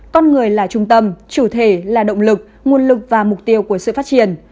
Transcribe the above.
con người là trung tâm chủ thể là động lực nguồn lực và mục tiêu của sự phát triển